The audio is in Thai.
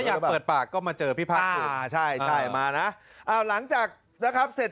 อยากเปิดปากก็มาเจอพี่พ่อใช่ใช่มานะหลังจากนะครับเสร็จ